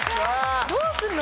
どうするの？